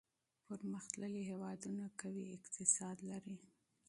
پرمختللي هېوادونه قوي اقتصاد لري.